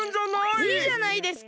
いいじゃないですか。